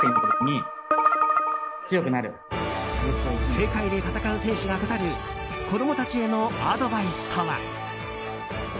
世界で戦う選手が語る子供たちへのアドバイスとは。